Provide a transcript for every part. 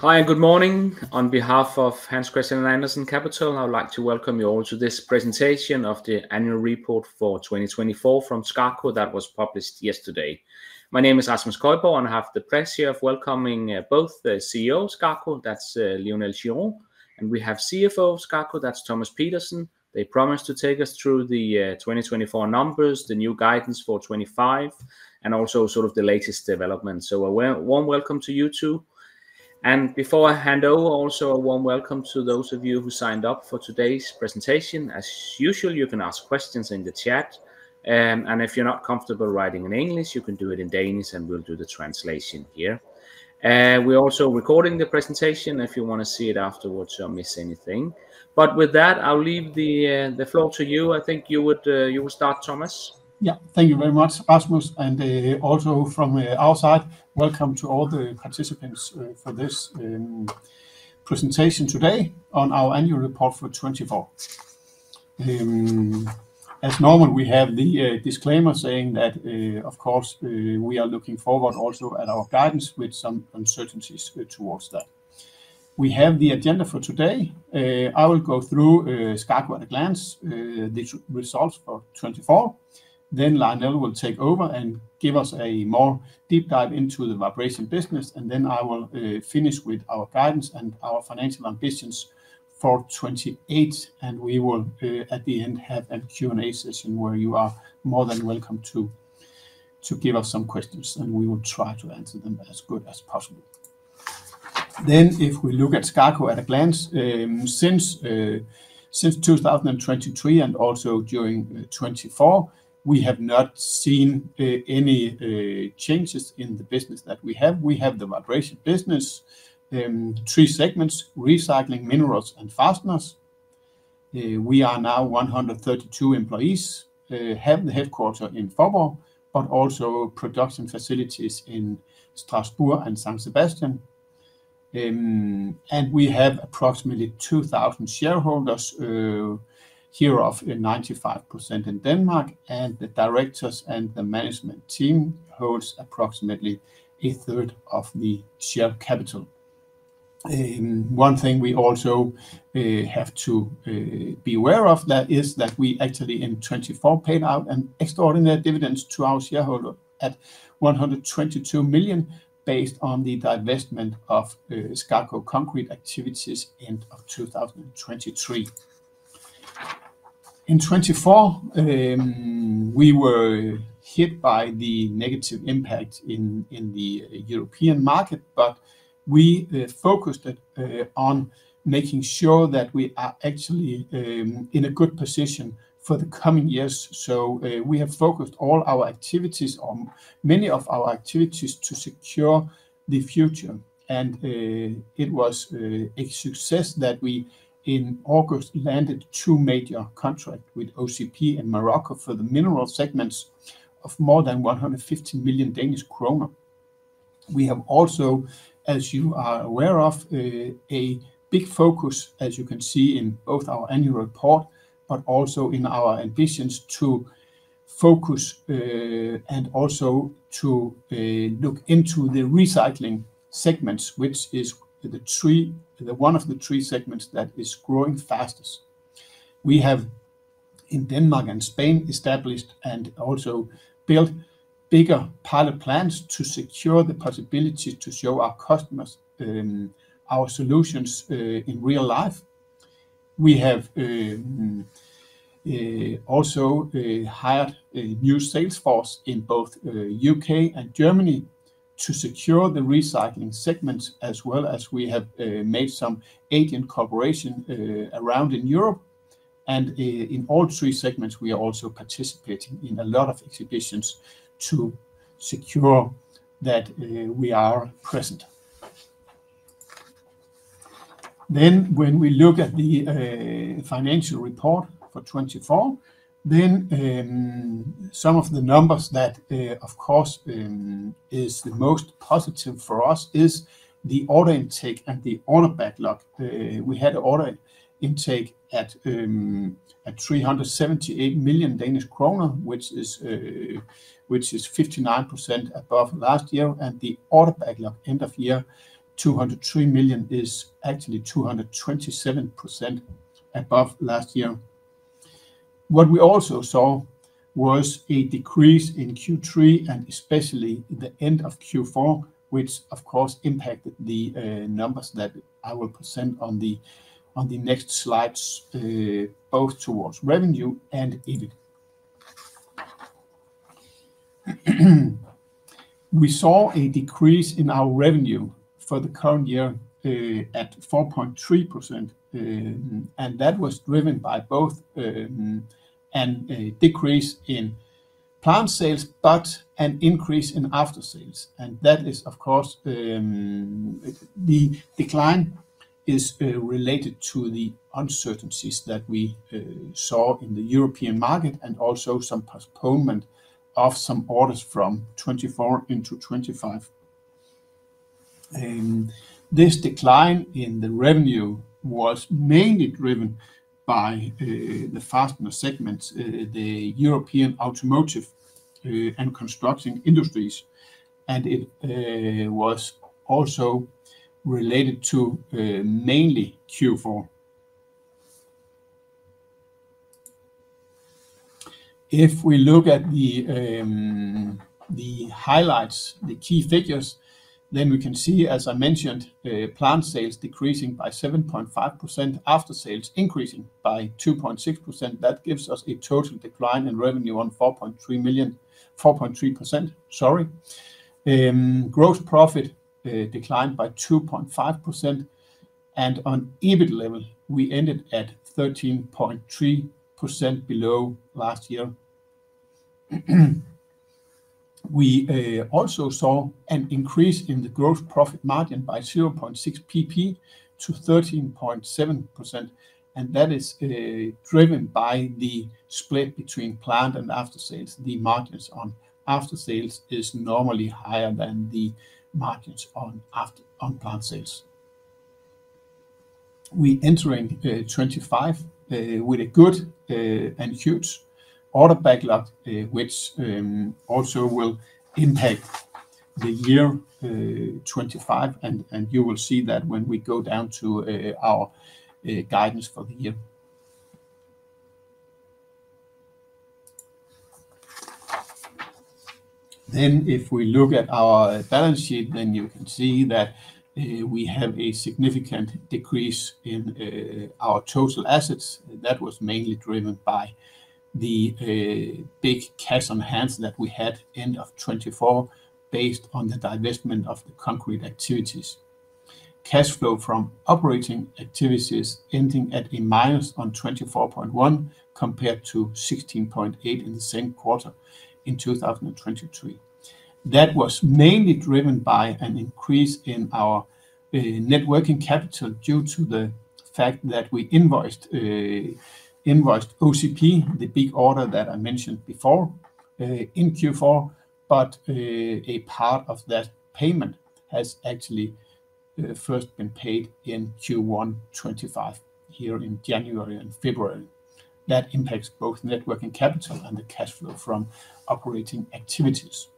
Hi, and good morning. On behalf of Hans Christian Andersen Capital, I would like to welcome you all to this presentation of the annual report for 2024 from SKAKO that was published yesterday. My name is Rasmus Køjborg, and I have the pleasure of welcoming both the CEO of SKAKO, that's Lionel Girieud, and we have CFO of SKAKO, that's Thomas Pedersen. They promised to take us through the 2024 numbers, the new guidance for 2025, and also sort of the latest developments. A warm welcome to you two. Before I hand over, also a warm welcome to those of you who signed up for today's presentation. As usual, you can ask questions in the chat. If you're not comfortable writing in English, you can do it in Danish, and we'll do the translation here. We're also recording the presentation if you want to see it afterwards or miss anything. With that, I'll leave the floor to you. I think you would start, Thomas. Yeah, thank you very much, Rasmus. Also from our side, welcome to all the participants for this presentation today on our annual report for 2024. As normal, we have the disclaimer saying that, of course, we are looking forward also at our guidance with some uncertainties towards that. We have the agenda for today. I will go through SKAKO at a glance, the results for 2024. Lionel will take over and give us a more deep dive into the vibration business. I will finish with our guidance and our financial ambitions for 2028. We will, at the end, have a Q&A session where you are more than welcome to give us some questions, and we will try to answer them as good as possible. If we look at SKAKO at a glance, since 2023 and also during 2024, we have not seen any changes in the business that we have. We have the vibration business, three segments: recycling, minerals, and fasteners. We are now 132 employees, have the headquarters in Faaborg, but also production facilities in Strasbourg and San Sebastián. We have approximately 2,000 shareholders, 95% in Denmark, and the directors and the management team hold approximately a third of the share capital. One thing we also have to be aware of is that we actually, in 2024, paid out an extraordinary dividend to our shareholders at 122 million, based on the divestment of SKAKO Concrete activities end of 2023. In 2024, we were hit by the negative impact in the European market, but we focused on making sure that we are actually in a good position for the coming years. We have focused all our activities or many of our activities to secure the future. It was a success that we, in August, landed two major contracts with OCP in Morocco for the mineral segments of more than 150 million Danish kroner. We have also, as you are aware of, a big focus, as you can see in both our annual report, but also in our ambitions to focus and also to look into the recycling segments, which is one of the three segments that is growing fastest. We have, in Denmark and Spain, established and also built bigger pilot plans to secure the possibility to show our customers our solutions in real life. We have also hired a new sales force in both the U.K. and Germany to secure the recycling segments, as well as we have made some agent cooperation around in Europe. In all three segments, we are also participating in a lot of exhibitions to secure that we are present. When we look at the financial report for 2024, some of the numbers that, of course, are the most positive for us are the order intake and the order backlog. We had order intake at 378 million Danish kroner, which is 59% above last year. The order backlog end of year, 203 million, is actually 227% above last year. What we also saw was a decrease in Q3, and especially the end of Q4, which, of course, impacted the numbers that I will present on the next slides, both towards revenue and EBIT. We saw a decrease in our revenue for the current year at 4.3%, and that was driven by both a decrease in plant sales, but an increase in after-sales. That is, of course, the decline is related to the uncertainties that we saw in the European market and also some postponement of some orders from 2024 into 2025. This decline in the revenue was mainly driven by the fastener segments, the European automotive and construction industries, and it was also related to mainly Q4. If we look at the highlights, the key figures, then we can see, as I mentioned, plant sales decreasing by 7.5%, after-sales increasing by 2.6%. That gives us a total decline in revenue on 4.3%. Sorry. Gross profit declined by 2.5%. On EBIT level, we ended at 13.3% below last year. We also saw an increase in the gross profit margin by 0.6 percentage points to 13.7%, and that is driven by the split between plant and after-sales. The margins on after-sales are normally higher than the margins on plant sales. We are entering 2025 with a good and huge order backlog, which also will impact the year 2025, and you will see that when we go down to our guidance for the year. If we look at our balance sheet, then you can see that we have a significant decrease in our total assets. That was mainly driven by the big cash on hand that we had at the end of 2024, based on the divestment of the concrete activities. Cash flow from operating activities ending at a minus on 24.1 million compared to 16.8 million in the same quarter in 2023. That was mainly driven by an increase in our net working capital due to the fact that we invoiced OCP, the big order that I mentioned before in Q4, but a part of that payment has actually first been paid in Q1 2025 here in January and February. That impacts both working capital and the cash flow from operating activities.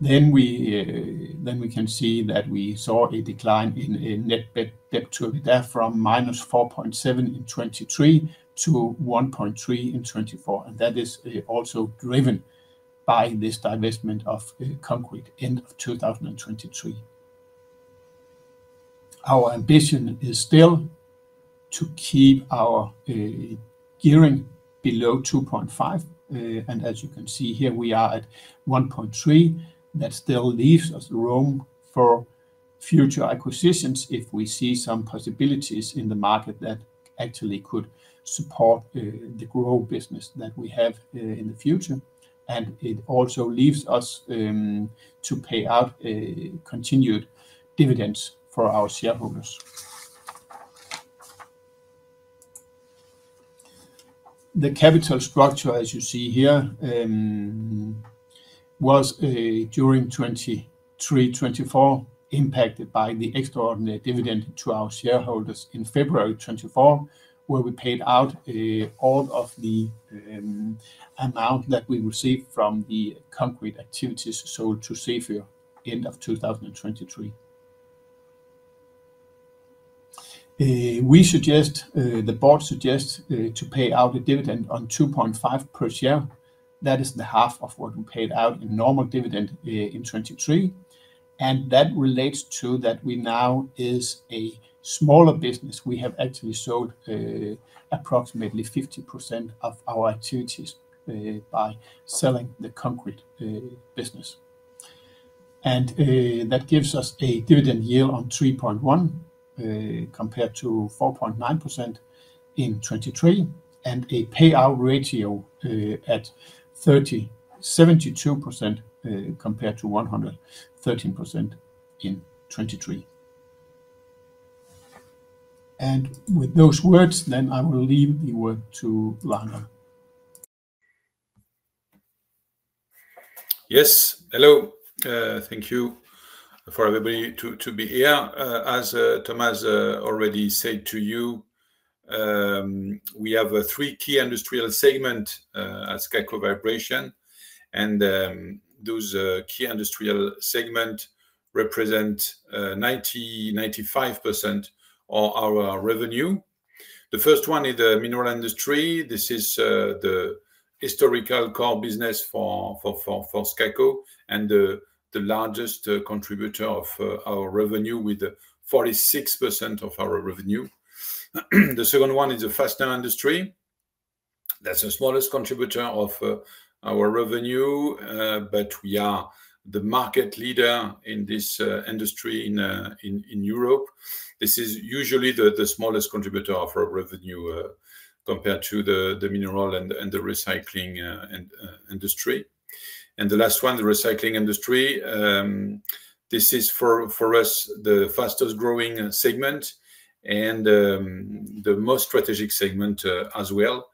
We can see that we saw a decline in net debt to EBITDA from -4.7 in 2023 to 1.3 in 2024, and that is also driven by this divestment of concrete end of 2023. Our ambition is still to keep our gearing below 2.5, and as you can see here, we are at 1.3. That still leaves us room for future acquisitions if we see some possibilities in the market that actually could support the growth business that we have in the future. It also leaves us to pay out continued dividends for our shareholders. The capital structure, as you see here, was during 2023-2024 impacted by the extraordinary dividend to our shareholders in February 2024, where we paid out all of the amount that we received from the concrete activities sold to [Zefyr] end of 2023. We suggest, the board suggests to pay out a dividend on 2.5 per share. That is half of what we paid out in normal dividend in 2023. That relates to that we now are a smaller business. We have actually sold approximately 50% of our activities by selling the concrete business. That gives us a dividend yield on 3.1% compared to 4.9% in 2023 and a payout ratio at 72% compared to 113% in 2023. With those words, I will leave the word to Lionel. Yes, hello. Thank you for everybody to be here. As Thomas already said to you, we have three key industrial segments at SKAKO Vibration, and those key industrial segments represent 90%-95% of our revenue. The first one is the mineral industry. This is the historical core business for SKAKO and the largest contributor of our revenue, with 46% of our revenue. The second one is the fastener industry. That's the smallest contributor of our revenue, but we are the market leader in this industry in Europe. This is usually the smallest contributor of our revenue compared to the mineral and the recycling industry. The last one, the recycling industry, this is for us the fastest growing segment and the most strategic segment as well.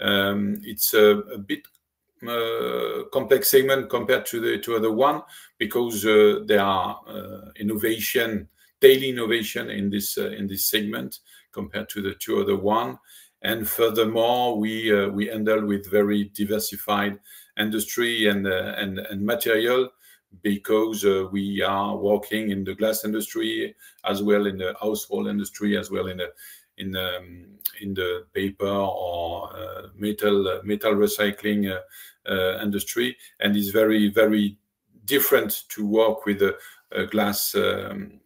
It's a bit complex segment compared to the other one because there are daily innovation in this segment compared to the two other ones. Furthermore, we handle very diversified industry and material because we are working in the glass industry as well as in the household industry, as well as in the paper or metal recycling industry. It is very, very different to work with glass recycling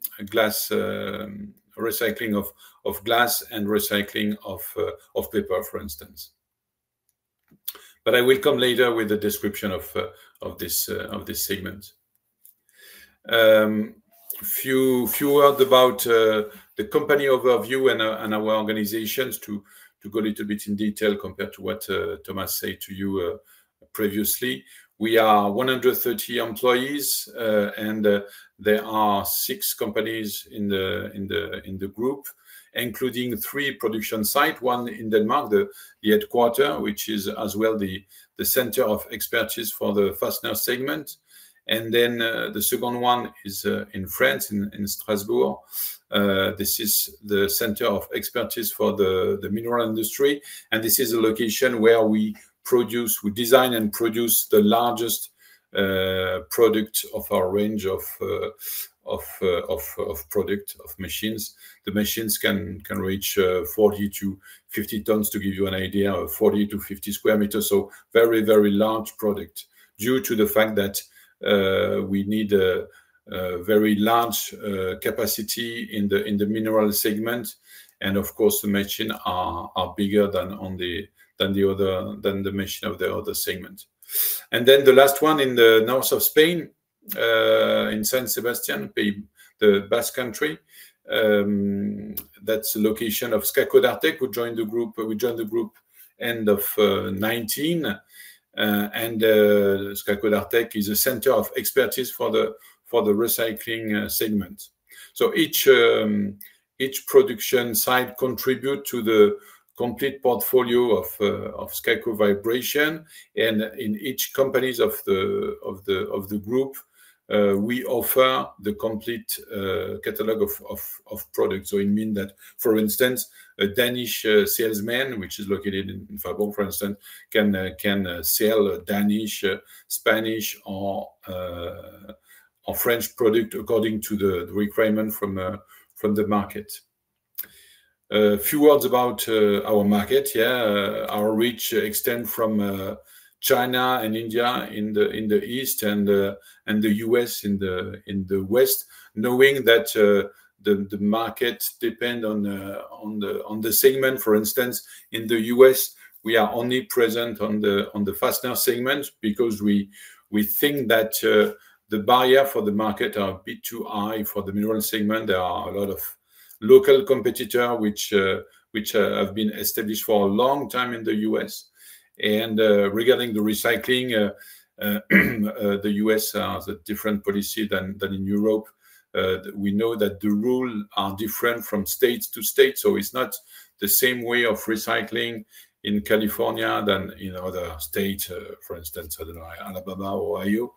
of glass and recycling of paper, for instance. I will come later with a description of this segment. A few words about the company overview and our organizations to go a little bit in detail compared to what Thomas said to you previously. We are 130 employees, and there are six companies in the group, including three production sites, one in Denmark, the headquarter, which is as well the center of expertise for the fastener segment. The second one is in France, in Strasbourg. This is the center of expertise for the mineral industry. This is a location where we design and produce the largest product of our range of products, of machines. The machines can reach 40 tons-50 tons, to give you an idea, 40 sq m-50 sq m. Very, very large product due to the fact that we need a very large capacity in the mineral segment. Of course, the machines are bigger than the machines of the other segment. The last one is in the north of Spain, in San Sebastián, the Basque Country. That is the location of SKAKO Dartek. We joined the group end of 2019. SKAKO Dartek is a center of expertise for the recycling segment. Each production site contributes to the complete portfolio of SKAKO Vibration. In each company of the group, we offer the complete catalog of products. It means that, for instance, a Danish salesman, which is located in Faaborg, for instance, can sell Danish, Spanish, or French products according to the requirement from the market. A few words about our market. Yeah, our reach extends from China and India in the East and the U.S. in the West, knowing that the market depends on the segment. For instance, in the U.S., we are only present on the fastener segment because we think that the barrier for the market is a bit too high for the mineral segment. There are a lot of local competitors which have been established for a long time in the U.S. Regarding the recycling, the U.S. has a different policy than in Europe. We know that the rules are different from state to state. It is not the same way of recycling in California as in other states, for instance, I do not know, Alabama or Iowa.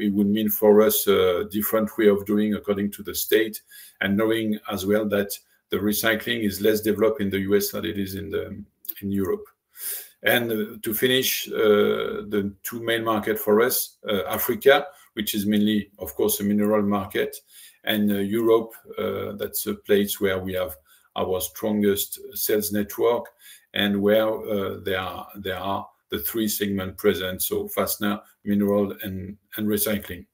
It would mean for us a different way of doing according to the state and knowing as well that recycling is less developed in the U.S. than it is in Europe. To finish, the two main markets for us are Africa, which is mainly, of course, a mineral market, and Europe, which is a place where we have our strongest sales network and where there are the three segments present, so fastener, mineral, and recycling.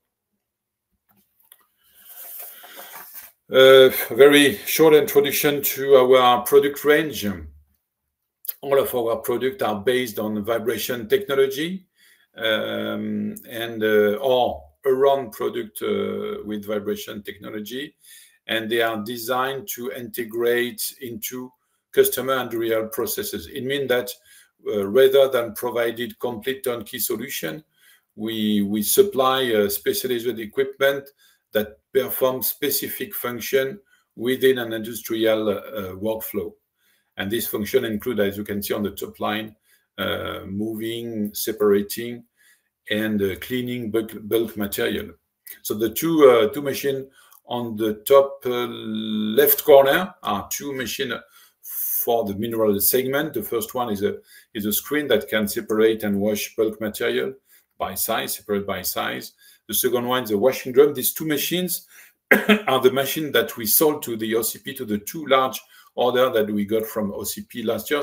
A very short introduction to our product range. All of our products are based on vibration technology and/or around products with vibration technology. They are designed to integrate into customer and real processes. It means that rather than providing complete turnkey solutions, we supply specialized equipment that performs specific functions within an industrial workflow. This function includes, as you can see on the top line, moving, separating, and cleaning bulk material. The two machines on the top left corner are two machines for the mineral segment. The first one is a screen that can separate and wash bulk material by size, separate by size. The second one is a washing drum. These two machines are the machines that we sold to OCP, to the two large orders that we got from OCP last year.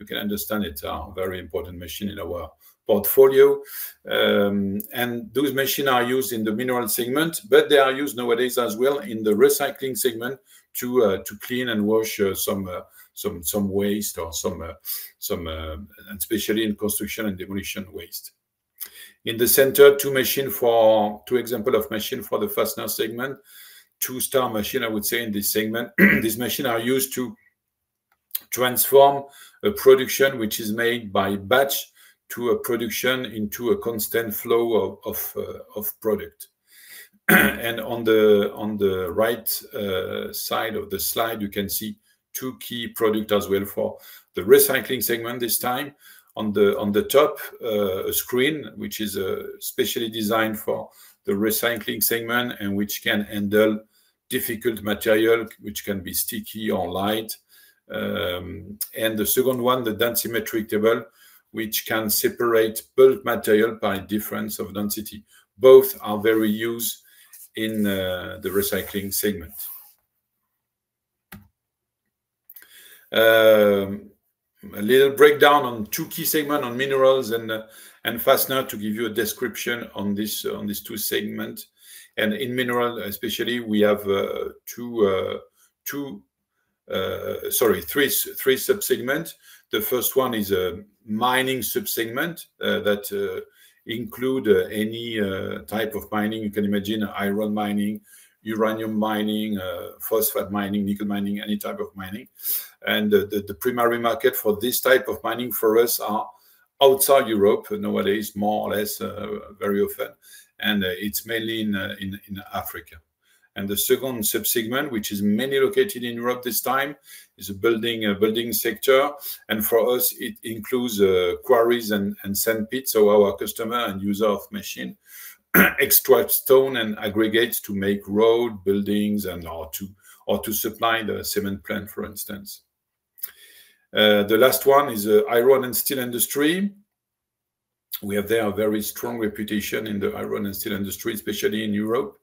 You can understand it's a very important machine in our portfolio. Those machines are used in the mineral segment, but they are used nowadays as well in the recycling segment to clean and wash some waste or some, especially in construction and demolition waste. In the center, two machines for two examples of machines for the fastener segment, two-star machine, I would say, in this segment. These machines are used to transform a production which is made by batch to a production into a constant flow of product. On the right side of the slide, you can see two key products as well for the recycling segment this time. On the top screen, which is specially designed for the recycling segment and which can handle difficult material which can be sticky or light. The second one, the densimetric table, which can separate bulk material by difference of density. Both are very used in the recycling segment. A little breakdown on two key segments on minerals and fastener to give you a description on these two segments. In mineral, especially, we have two, sorry, three subsegments. The first one is a mining subsegment that includes any type of mining. You can imagine iron mining, uranium mining, phosphate mining, nickel mining, any type of mining. The primary market for this type of mining for us is outside Europe, nowadays, more or less very often. It is mainly in Africa. The second subsegment, which is mainly located in Europe this time, is a building sector. For us, it includes quarries and sandpits. Our customer and user of machines extract stone and aggregates to make road buildings and/or to supply the cement plant, for instance. The last one is the iron and steel industry. We have a very strong reputation in the iron and steel industry, especially in Europe.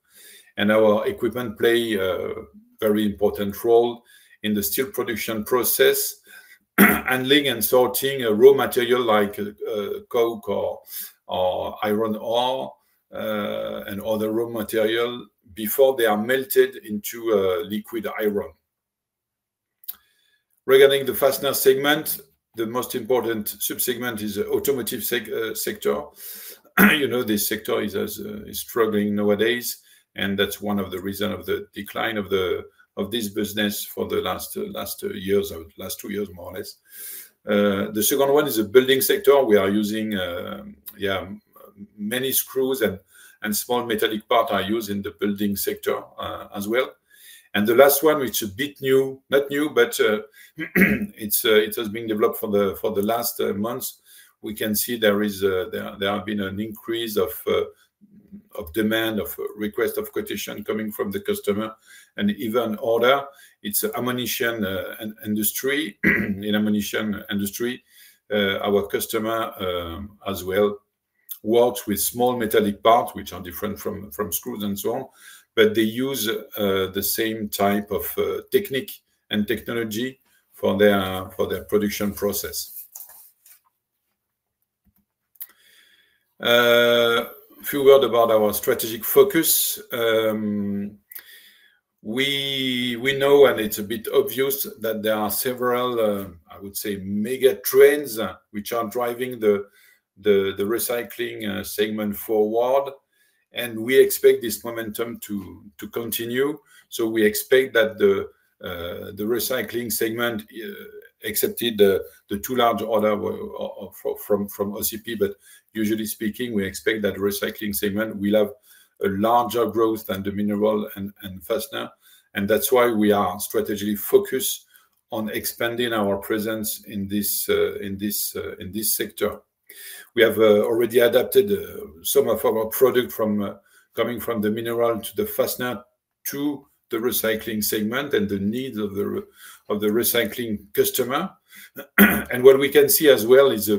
Our equipment plays a very important role in the steel production process, handling and sorting raw material like coke or iron ore and other raw material before they are melted into liquid iron. Regarding the fastener segment, the most important subsegment is the automotive sector. This sector is struggling nowadays. That is one of the reasons of the decline of this business for the last two years, more or less. The second one is the building sector. Many screws and small metallic parts are used in the building sector as well. The last one, which is a bit new, not new, but it has been developed for the last months. We can see there has been an increase of demand, of request of quotation coming from the customer and even order. It is ammunition industry. In ammunition industry, our customer as well works with small metallic parts, which are different from screws and so on, but they use the same type of technique and technology for their production process. A few words about our strategic focus. We know, and it's a bit obvious, that there are several, I would say, mega trends which are driving the recycling segment forward. We expect this momentum to continue. We expect that the recycling segment accepted the two large orders from OCP. Usually speaking, we expect that recycling segment will have a larger growth than the mineral and fastener. That is why we are strategically focused on expanding our presence in this sector. We have already adapted some of our products coming from the mineral to the fastener to the recycling segment and the needs of the recycling customer. What we can see as well is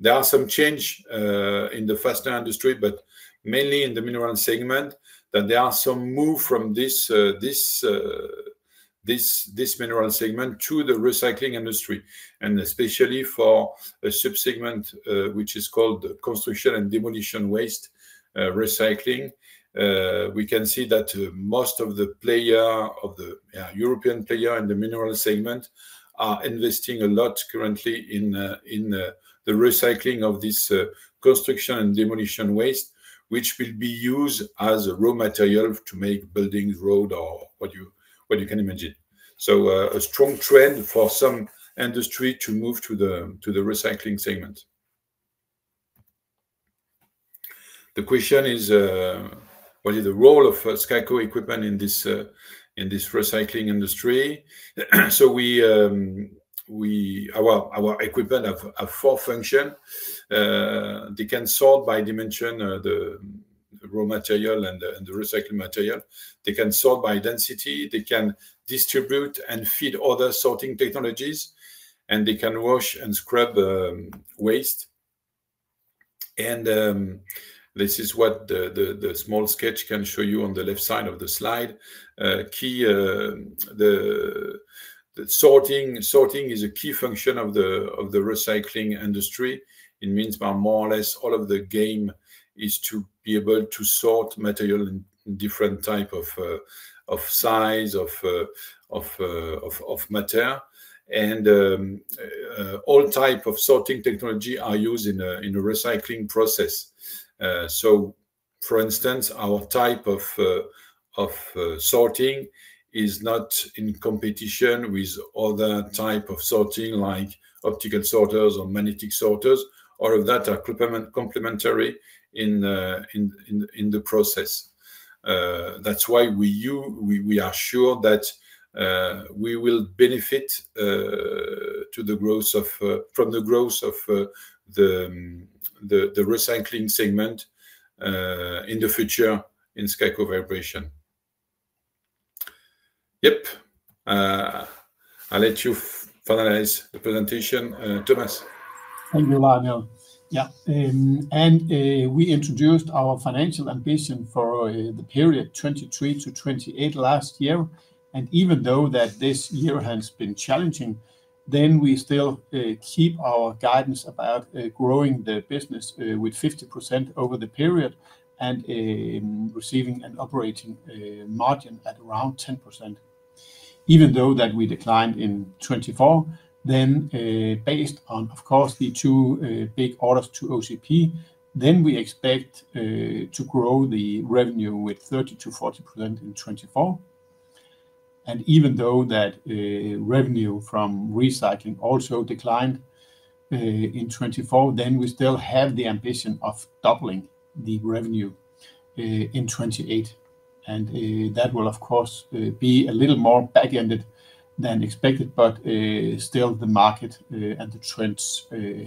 there are some changes in the fastener industry, but mainly in the mineral segment, that there are some moves from this mineral segment to the recycling industry. Especially for a subsegment which is called construction and demolition waste recycling, we can see that most of the European players in the mineral segment are investing a lot currently in the recycling of this construction and demolition waste, which will be used as raw material to make buildings, roads, or what you can imagine. A strong trend for some industries to move to the recycling segment. The question is, what is the role of SKAKO equipment in this recycling industry? Our equipment have four functions. They can sort by dimension the raw material and the recycled material. They can sort by density. They can distribute and feed other sorting technologies. They can wash and scrub waste. This is what the small sketch can show you on the left side of the slide. Sorting is a key function of the recycling industry. It means more or less all of the game is to be able to sort material in different types of size, of matter. All types of sorting technology are used in the recycling process. For instance, our type of sorting is not in competition with other types of sorting like optical sorters or magnetic sorters. All of that are complementary in the process. That is why we are sure that we will benefit from the growth of the recycling segment in the future in SKAKO Vibration. Yep. I'll let you finalize the presentation. Thomas. Thank you, Lionel. Yeah. We introduced our financial ambition for the period 2023 to 2028 last year. Even though this year has been challenging, we still keep our guidance about growing the business with 50% over the period and receiving an operating margin at around 10%. Even though we declined in 2024, then based on, of course, the two big orders to OCP, we expect to grow the revenue with 30%-40% in 2024. Even though revenue from recycling also declined in 2024, we still have the ambition of doubling the revenue in 2028. That will, of course, be a little more back-ended than expected, but still the market and the trends are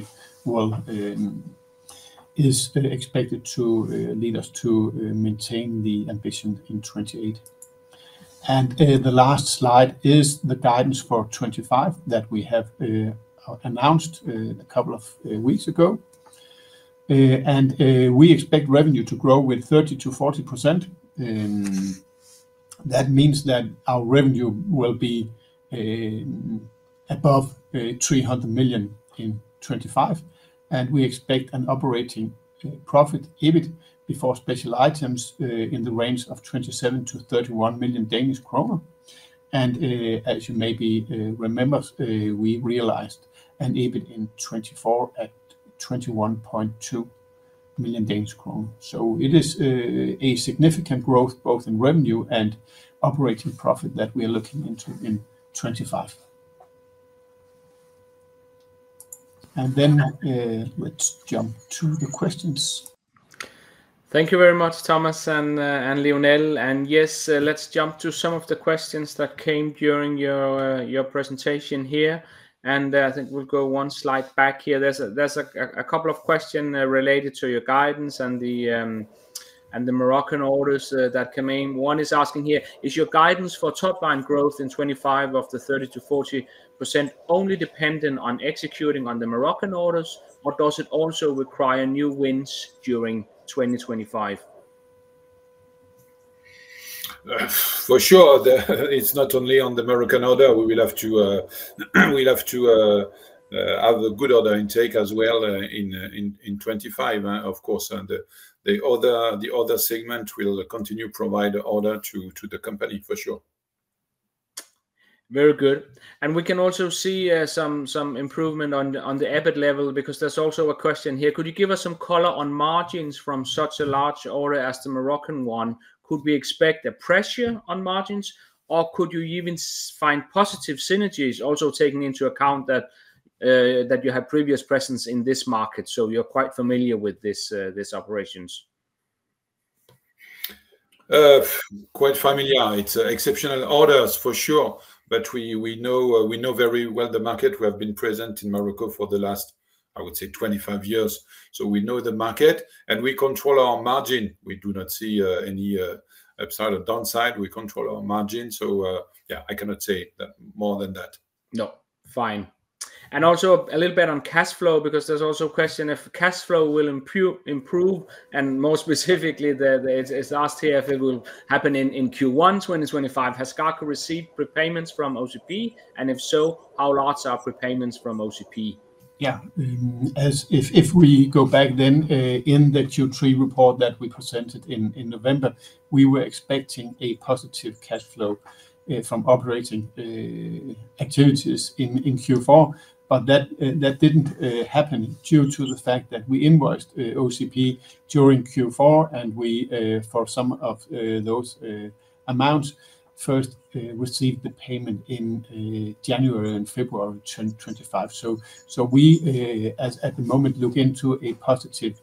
expected to lead us to maintain the ambition in 2028. The last slide is the guidance for 2025 that we have announced a couple of weeks ago. We expect revenue to grow with 30%-40%. That means that our revenue will be above 300 million in 2025. We expect an operating profit EBIT before special items in the range of 27 million-31 million Danish kroner. As you maybe remember, we realized an EBIT in 2024 at 21.2 million Danish kroner. It is a significant growth both in revenue and operating profit that we are looking into in 2025. Let's jump to the questions. Thank you very much, Thomas and Lionel. Yes, let's jump to some of the questions that came during your presentation here. I think we'll go one slide back here. There are a couple of questions related to your guidance and the Moroccan orders that came in. One is asking here, is your guidance for top-line growth in 2025 of the 30%-40% only dependent on executing on the Moroccan orders, or does it also require new wins during 2025? For sure. It's not only on the Moroccan order. We will have to have a good order intake as well in 2025, of course. The other segment will continue to provide order to the company, for sure. Very good. We can also see some improvement on the EBIT level because there's also a question here. Could you give us some color on margins from such a large order as the Moroccan one? Could we expect a pressure on margins? Could you even find positive synergies, also taking into account that you have previous presence in this market? You are quite familiar with these operations. Quite familiar. It's exceptional orders, for sure. We know very well the market. We have been present in Morocco for the last, I would say, 25 years. We know the market, and we control our margin. We do not see any upside or downside. We control our margin. Yeah, I cannot say more than that. No. Fine. Also, a little bit on cash flow because there is also a question if cash flow will improve, and more specifically, it is asked here if it will happen in Q1 2025. Has SKAKO received prepayments from OCP? If so, how large are prepayments from OCP? Yeah. If we go back then in the Q3 report that we presented in November, we were expecting a positive cash flow from operating activities in Q4. That did not happen due to the fact that we invoiced OCP during Q4, and we, for some of those amounts, first received the payment in January and February 2025. We, at the moment, look into a positive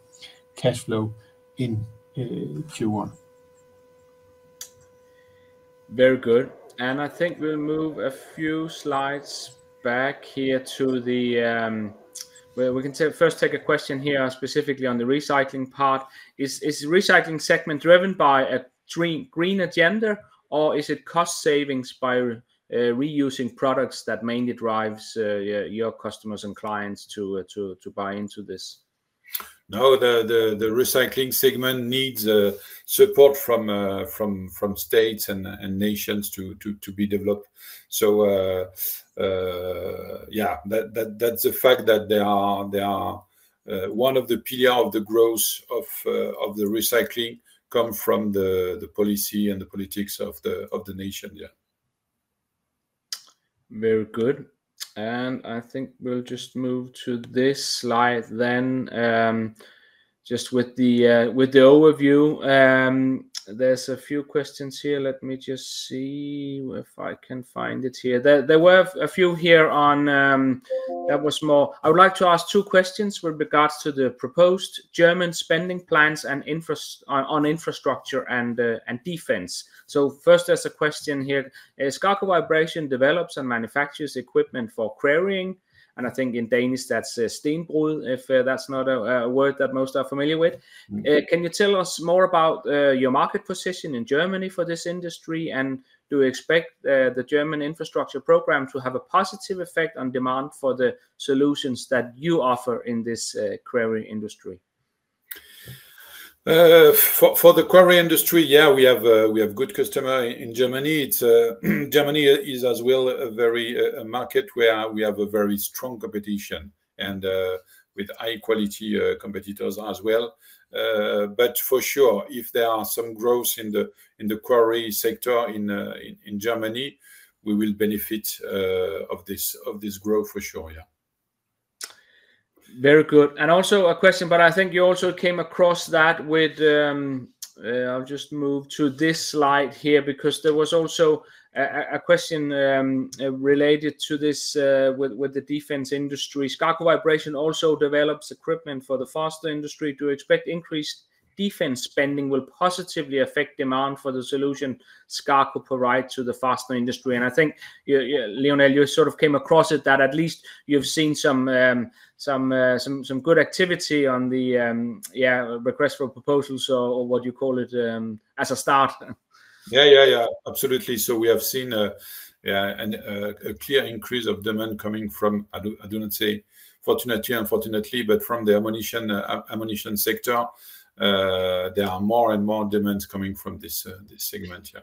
cash flow in Q1. Very good. I think we will move a few slides back here to where we can first take a question here specifically on the recycling part. Is the recycling segment driven by a green agenda, or is it cost savings by reusing products that mainly drives your customers and clients to buy into this? No. The recycling segment needs support from states and nations to be developed. That is the fact that one of the pillars of the growth of the recycling comes from the policy and the politics of the nation. Very good. I think we'll just move to this slide then, just with the overview. There's a few questions here. Let me just see if I can find it here. There were a few here on that was more I would like to ask two questions with regards to the proposed German spending plans on infrastructure and defense. First, there's a question here. SKAKO Vibration develops and manufactures equipment for quarrying. I think in Danish, that's stenbrud, if that's not a word that most are familiar with. Can you tell us more about your market position in Germany for this industry? Do you expect the German infrastructure program to have a positive effect on demand for the solutions that you offer in this quarry industry? For the quarry industry, yeah, we have good customers in Germany. Germany is as well a market where we have very strong competition and with high-quality competitors as well. For sure, if there is some growth in the quarry sector in Germany, we will benefit from this growth, for sure. Very good. Also a question, but I think you also came across that with I'll just move to this slide here because there was also a question related to this with the defense industry. SKAKO Vibration also develops equipment for the fastener industry. Do you expect increased defense spending will positively affect demand for the solution SKAKO provides to the fastener industry? I think, Lionel, you sort of came across it that at least you've seen some good activity on the request for proposals or what you call it as a start? Yeah, yeah, yeah. Absolutely. We have seen a clear increase of demand coming from, I do not say fortunately or unfortunately, but from the ammunition sector. There are more and more demands coming from this segment. Yeah.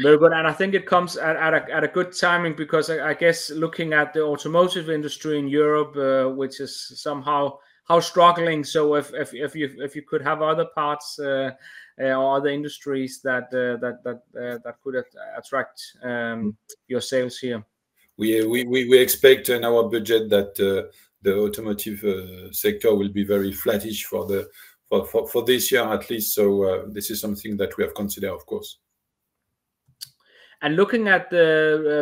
Very good. I think it comes at a good timing because I guess looking at the automotive industry in Europe, which is somehow struggling. If you could have other parts or other industries that could attract your sales here. We expect in our budget that the automotive sector will be very flattish for this year at least. This is something that we have considered, of course. Looking at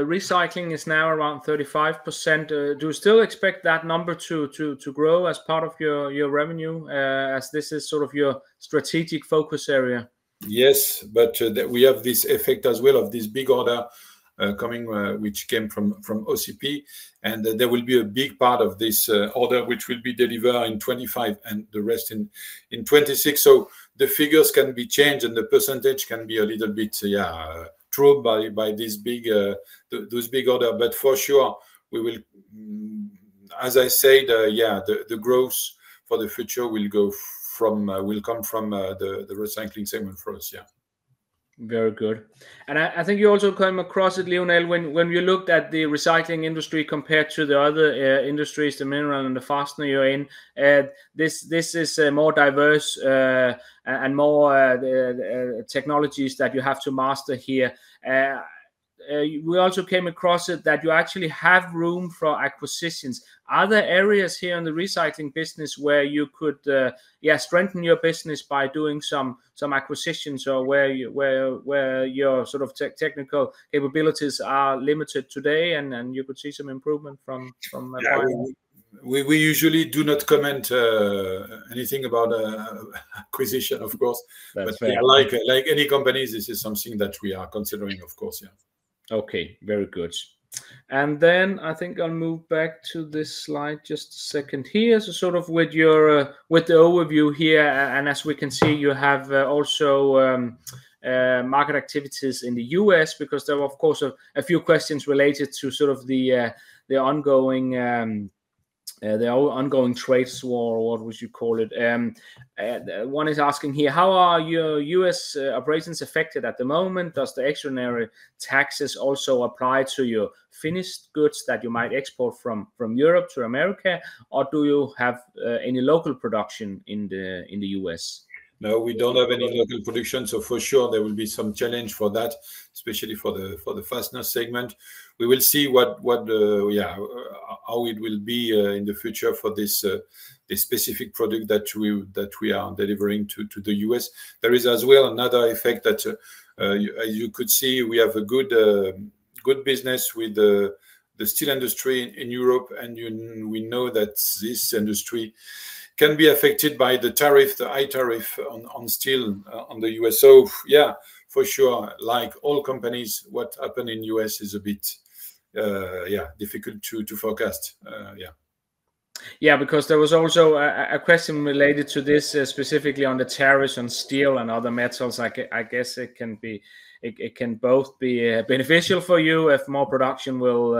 recycling is now around 35%. Do you still expect that number to grow as part of your revenue as this is sort of your strategic focus area? Yes. We have this effect as well of this big order coming which came from OCP. There will be a big part of this order which will be delivered in 2025 and the rest in 2026. The figures can be changed and the percentage can be a little bit, yeah, drawn by those big orders. For sure, we will, as I said, yeah, the growth for the future will come from the recycling segment for us. Yeah. Very good. I think you also came across it, Lionel, when you looked at the recycling industry compared to the other industries, the mineral and the fastener you are in. This is more diverse and more technologies that you have to master here. We also came across it that you actually have room for acquisitions. Are there areas here in the recycling business where you could, yeah, strengthen your business by doing some acquisitions or where your sort of technical capabilities are limited today and you could see some improvement from [like that]? Yeah. We usually do not comment anything about acquisition, of course. Like any companies, this is something that we are considering, of course. Yeah. Okay. Very good. I think I'll move back to this slide just a second here sort of with the overview here. As we can see, you have also market activities in the U.S. because there were, of course, a few questions related to sort of the ongoing trade war, what would you call it? One is asking here, how are your U.S. operations affected at the moment? Does the extraordinary taxes also apply to your finished goods that you might export from Europe to America? Do you have any local production in the U.S.? No, we do not have any local production. For sure, there will be some challenge for that, especially for the fastener segment. We will see how it will be in the future for this specific product that we are delivering to the U.S. There is as well another effect that you could see. We have a good business with the steel industry in Europe. We know that this industry can be affected by the tariff, the high tariff on steel in the U.S. For sure, like all companies, what happened in the U.S. is a bit difficult to forecast. Yeah, because there was also a question related to this specifically on the tariffs on steel and other metals. I guess it can both be beneficial for you if more production will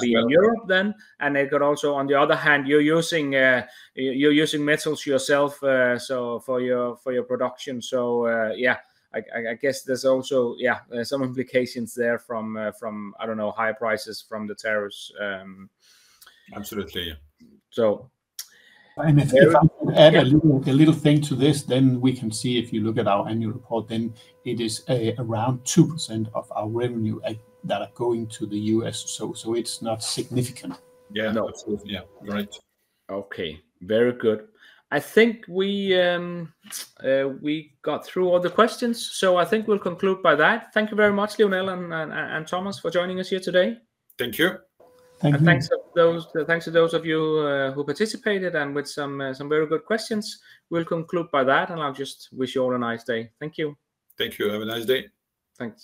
be in Europe then. It could also, on the other hand, you're using metals yourself for your production. Yeah, I guess there's also some implications there from, I don't know, high prices from the tariffs. Absolutely. If I can add a little thing to this, then we can see if you look at our annual report, it is around 2% of our revenue that are going to the U.S. It is not significant. Yeah. No. Absolutely. Yeah. Right. Okay. Very good. I think we got through all the questions. I think we'll conclude by that. Thank you very much, Lionel and Thomas, for joining us here today. Thank you. Thank you. Thanks to those of you who participated and with some very good questions. We'll conclude by that. I'll just wish you all a nice day. Thank you. Thank you. Have a nice day. Thanks.